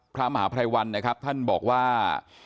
พระมหาพลัยวัลท่านบอกว่า